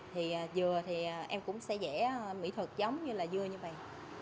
thì dừa thì em cũng sẽ vẽ mỹ thuật giống như là dưa như vậy